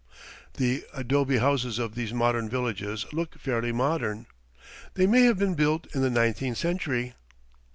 The adobe houses of these modern villages look fairly modern. They may have been built in the nineteenth century.